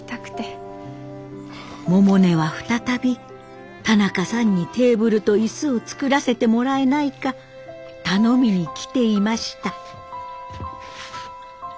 百音は再び田中さんにテーブルと椅子を作らせてもらえないか頼みに来ていました。